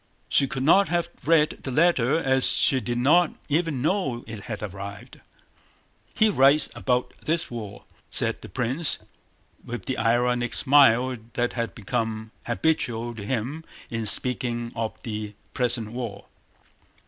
She could not have read the letter as she did not even know it had arrived. "He writes about this war," said the prince, with the ironic smile that had become habitual to him in speaking of the present war.